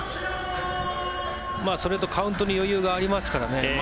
それと、カウントに余裕がありますからね。